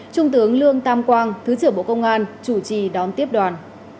trung tướng lương tam quang thứ trưởng bộ công an chủ trì đón tiếp đoàn